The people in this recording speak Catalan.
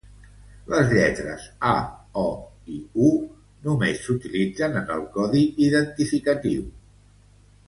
Les lletres Ä, Ö i Ü només s'utilitzen en el codi identificatiu.